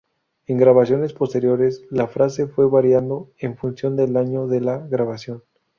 En grabaciones posteriores la frase fue variando en función del año de la grabación.